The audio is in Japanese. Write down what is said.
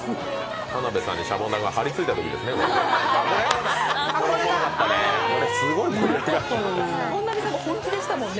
田辺さんにシャボン玉が張りついたときですね。